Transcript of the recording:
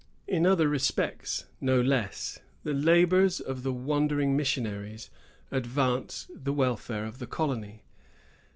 In other respects no less, the labors of the wandering missionaries advanced the welfare of the colony.